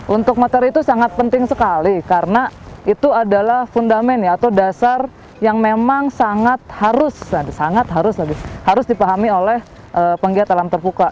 untuk materi itu sangat penting sekali karena itu adalah fundament atau dasar yang memang sangat harus sangat harus dipahami oleh penggiat alam terbuka